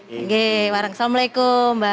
oke assalamualaikum mbak